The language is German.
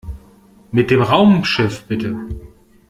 Mit dem Raumschiff bitte!